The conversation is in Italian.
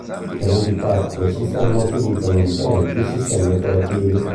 Differenti parti del sistema utilizzano differenti sistemi operativi.